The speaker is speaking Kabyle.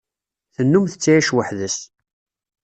Tennum tettεic weḥd-s.